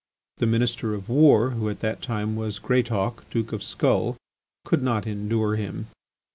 The Minister of War, who at the time was Greatauk, Duke of Skull, could not endure him.